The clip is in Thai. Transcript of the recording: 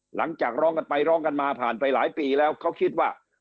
หลังจากร้องกันไปร้องกันมาผ่านไปหลายปีแล้วเขาคิดว่า